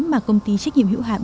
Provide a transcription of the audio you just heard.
mà công ty trách nhiệm hữu hạm